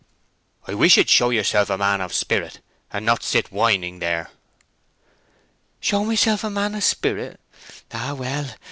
"I wish you'd show yourself a man of spirit, and not sit whining there!" "Show myself a man of spirit?... Ah, well!